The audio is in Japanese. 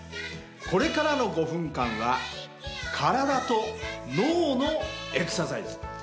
これからの５分間は体と脳のエクササイズ。